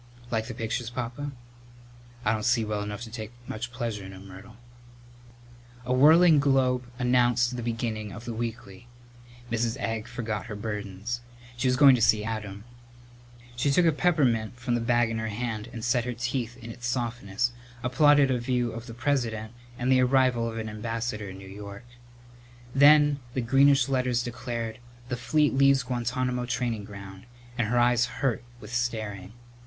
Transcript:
"Like the pictures, Papa?" "I don't see well enough to take much pleasure in 'em, Myrtle." A whirling globe announced the beginning of the weekly. Mrs. Egg forgot her burdens. She was going to see Adam. She took a peppermint from the bag in her hand and set her teeth in its softness, applauded a view of the President and the arrival of an ambassador in New York. Then the greenish letters declared: "The fleet leaves Guantánamo training ground," and her eyes hurt with staring.